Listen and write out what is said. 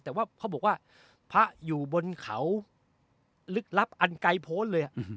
แต่ว่าเขาบอกว่าพระอยู่บนเขาลึกลับอันไกลโพ้นเลย